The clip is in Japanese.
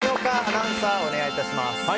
実況は谷岡アナウンサーお願いいたします。